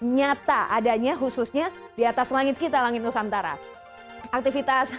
nyata adanya khususnya di atas langit kita langit nusantara